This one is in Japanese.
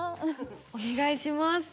お願いします。